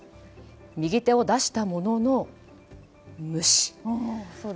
右手を出したものの、無視。